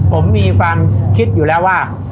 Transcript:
ผมมีความคิดอยู่แล้วว่า